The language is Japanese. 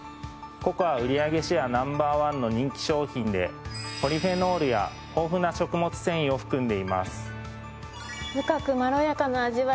ココア売り上げシェアＮｏ．１の人気商品でポリフェノールや豊富な食物繊維を含んでいます。